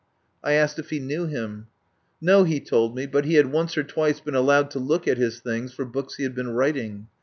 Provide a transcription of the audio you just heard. I asked if he knew him. No, he told me, but he had once or twice been allowed to look at his things for books he had been writing.